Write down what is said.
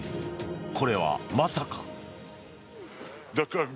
これは、まさか。